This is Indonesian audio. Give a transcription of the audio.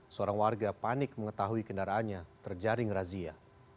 seorang warga panik mengetahui kendaraannya terjaring razia